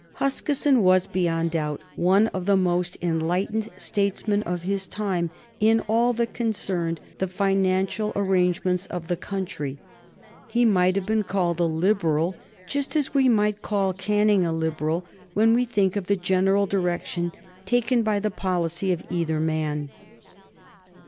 Huskisson was, beyond doubt, one of the most enlightened statesmen of his time in all that concerned the financial arrangements of the country. He might have been called a Liberal, just as we might call Canning a Liberal, when we think of the general direction taken by the policy of either man.